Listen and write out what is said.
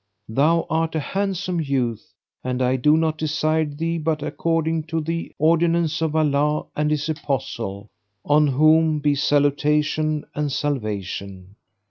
Thou art a handsome youth and I do not desire thee but according to the ordinance of Allah and His Apostle (on whom be salutation and salvation!).